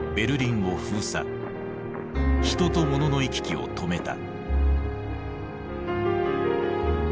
人と物の行き来を止めた。